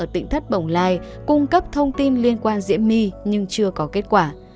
tỉnh thất bồng lai cung cấp thông tin liên quan diễm my nhưng chưa có kết quả